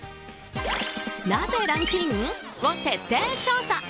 なぜランクイン？を徹底調査。